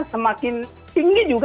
semakin tinggi juga